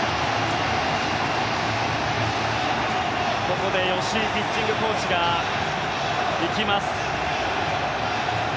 ここで吉井ピッチングコーチが行きます。